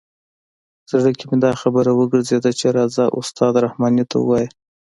زړه کې مې دا خبره وګرځېده چې راځه استاد رحماني ته ووایه.